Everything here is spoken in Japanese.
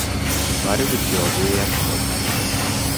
悪口を言うやつもいた。